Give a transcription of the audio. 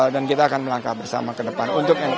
dan kita akan melangkah bersama ke depan